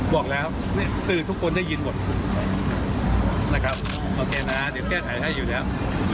บอกแล้วสื่อทุกคนได้ยินหมดนะครับโอเคนะเดี๋ยวแก้ไขให้อยู่แล้ว